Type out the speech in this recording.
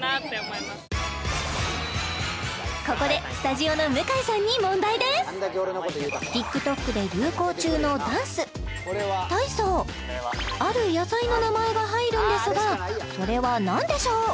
ここでスタジオのＴｉｋＴｏｋで流行中のダンスある野菜の名前が入るんですがそれは何でしょう？